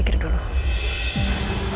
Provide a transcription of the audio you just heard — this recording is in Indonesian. aku bisa datang semula garlic